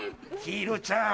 ひるちゃん